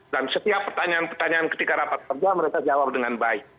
setiap pertanyaan pertanyaan ketika rapat kerja mereka jawab dengan baik